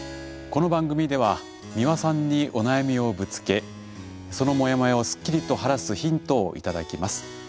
この番組では美輪さんにお悩みをぶつけそのモヤモヤをすっきりと晴らすヒントを頂きます。